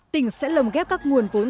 tỉnh sẽ lồng ghép các nguồn vốn